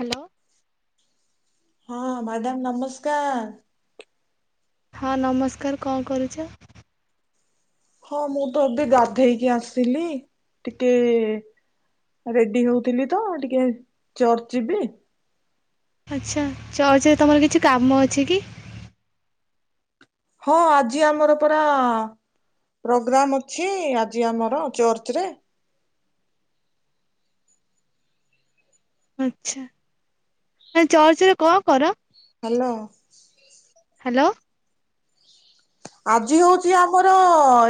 Hello. ହଁ madam ନମସ୍କାର। ହଁ ନମସ୍କାର କଣ କରୁଛ? ହଁ ମୁଁ ତ ଏବ ଗାଧେଇକି ଆସିଲି ଟିକେ ରେଡି ହଉଥିଲି ତ ଟିକେ ଚର୍ଚ୍ଚ ଯିବି। ଆଚ୍ଛା ଚର୍ଚ୍ଚରେ ତମର କିଛି କାମ ଅଛି କି? ହଁ ଆଜି ଆମର ପରା ପ୍ରୋଗ୍ରାମ ଅଛି ଆଜି ଆମର ଚର୍ଚ୍ଚରେ। ଆଛା ଚର୍ଚରେ କଣ କର? ହ୍ୟାଲୋ। ହ୍ୟାଲୋ। ଆଜି ହଉଛି ଆମର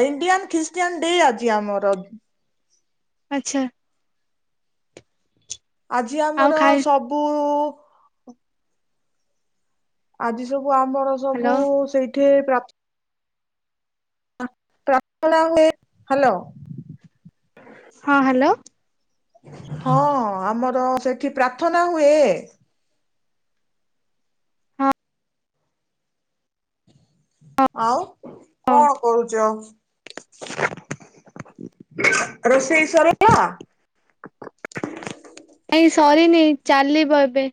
ଇଣ୍ଡିଆନ ଖ୍ରୀଷ୍ଟିଆନ ଡେ ଆଜି ଆମର। ଆଛା। ଆଜି ଆଉ ଆମର ଖାଇ ସବୁ ଆଜି ସବୁ ଆମର ହ୍ୟାଲୋ ସବୁ ସେଇଠି ପ୍ରାପ୍ ପ୍ରାଥନା ହୁଏ ହ୍ୟାଲୋ। ହଁ ହ୍ୟାଲୋ। ହଁ ଆମର ସେଠି ପ୍ରାର୍ଥନା ହୁଏ। ହଁ ଆଉ ହଁ କଣ କରୁଚ? ରୋଷେଇ ସରିଲା ନାଇଁ ସରିନି ଚାଲିବ ଏବେ।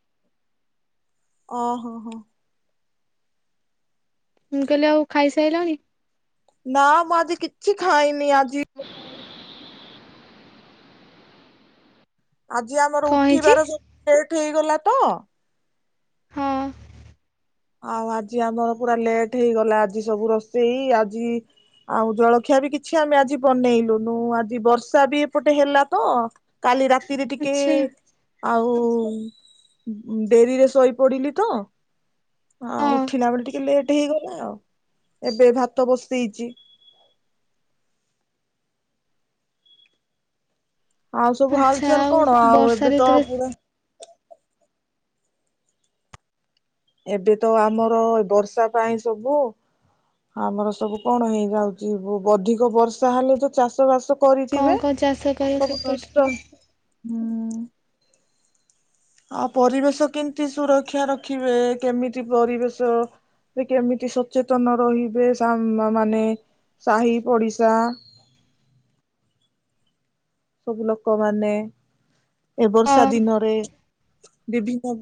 ଓ ହୋ ହୋ। ମୁଁ କହିଲି ଆଉ ଖାଇସାଇଲଣି? ନା ମୁଁ ଆଜି କିଛି ଖାଇନି ଆଜି। ଆଜି ଆମର କଣ ହେଇଛି? ଉଠିବାର ସବୁ ଲେଟ ହେଇଗଲା ତ ହଁ। ଆଉ ଆଜି ଆମର ପୁରା ଲେଟ ହେଇଗଲା ଆଜି ସବୁ ରୋଷେଇ ଆଜି ଆଉ ଜଳଖିଆ ବି କିଛି ଆମେ ଆଜି ବନେଇଲୁନୁ ଆଜି ବର୍ଷା ବି ଏପଟେ ହେଲା ତ କାଲି ରାତି ରେ ଟିକେ ଆଚ୍ଛା ଆଉ ଓ ଡେରିରେ ଶୋଇପଡିଲି ତ। ହଁ ଉଠିଲା ବେଳେ ଟିକେ ଲେଟ ଗୋଟେ ହେଇଗଲା ଆଉ ଏବେ ଭାତ ବସେଇଚି। ଆଉ ସବୁ ଆଚ୍ଛା ହାଲଚାଲ କଣ ଆଉ ବର୍ଷା ଏବେ ତ ଋତୁରେ ପୁରା ଏବେ ତ ଆମର ବର୍ଷା ପାଇଁ ସବୁ ଆମର ସବୁ କଣ ହେଇଯାଉଛି ଅଧିକ ବର୍ଷା ହେଲେ ଯୋଉ ଚାଷ ବାସ କଣ କରିଥିବେ କଣ ଚାଷ କର ସବୁ ସେପଟେ? ନଷ୍ଟ ହୁଁ। ଆଉ ପରିବେଶ କେମତି ସୁରକ୍ଷା ରଖିବେ କେମିତି ପରିବେଶ ଯେ କେମିତି ସଚେତନ ରହିବେ ମାନେ ସାହି ପଡ଼ିଶା [unintelligible] ସବୁ ଲୋକ ମାନେ ଏ ବର୍ଷା ହଁ ଦିନରେ ବିଭିନ୍ନ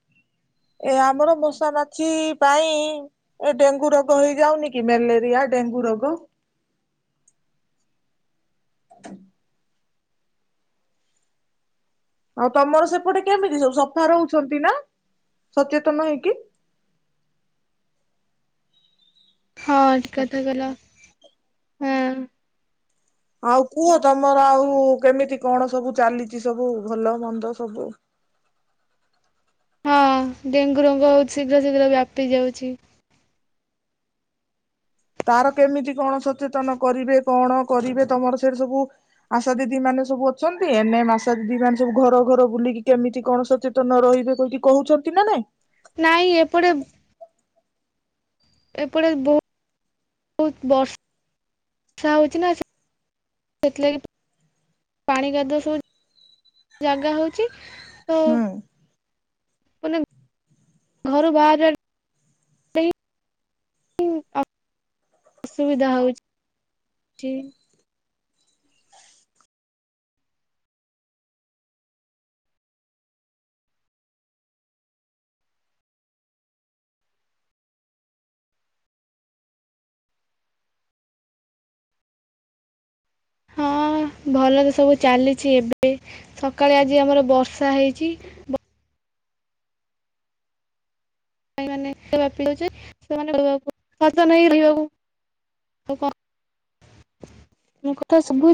[unintelligible] ଏ ଆମର ମଶା ମାଛି ପାଇଁ ଏ ଡେଙ୍ଗୁ ରୋଗ ହେଇଯାଉନି କି ମ୍ୟାଲେରିଆ ଡେ ଡେଙ୍ଗୁ ରୋଗ। [unintelligible] [unintelligible] ଆଉ ତମର ସେପଟେ କେମିତି ସବୁ ସଫା ରହୁଚନ୍ତି ନା ସଚେତନ ହେଇକି? [unintelligible] ହଁ କେତେ ଦେଲ? ହୁଁ। ଆଉ କୁହ ତମର ଆଉ କେମିତି କଣ ସବୁ ଚାଲିଚି ସବୁ ଭଲ ମନ୍ଦ ସବୁ [unintelligible] ହଁ ଡେଙ୍ଗୁ ରୋଗ ହେଉଛି ଶୀଘ୍ର ଶୀଘ୍ର ବ୍ୟାପି ଯାଉଛି। ତାର କେମିତି କଣ ସଚେତନ କରିବେ କଣ କରିବେ ତମର ସେ ସବୁ ଆଶା ଦିଦି ମାନେ ସବୁ ଅଛନ୍ତି ଏନ ମାସ ଦିଦି ମାନେ ସବୁ ଘର ଘର ବୁଲିକି କେମିତି କଣ ସଚେତନ ରହିବେ ବୋଲି କହୁଛନ୍ତି? ଚନ୍ତି ନା ନାଇଁ। ନାଇଁ ଏପଟେ ଏପଟେ ବୋ ହୁତ ବର୍ଷ ର୍ଷା ହୋଉଚି ନା ସେ ଥିଲାଗି ପା ପାଣି କାଦୁଅ ସବୁ ଜାଗା ହୋଉଚି। ହୁଁ। ଘରୁ ବାହାରାର୍ ପାଇଁ [unintelligible] ଅସୁବିଧା ହୋଉ ଚି। ହଁ। ଭଲରେ ସବୁ ଚାଲିଛି ଏବେ ସକାଳେ ଆଜି ଆମର ବର୍ଷା ହେଇଛି ବ ଭାଇ ମାନେ ଏତେ ବାପିଲା ଯେ ସେମାନେ [unintelligible] ତ ନାହିଁ ରହିବାକୁ। ଆଉ କଣ ମୋ କଥା ଶୁଭୁ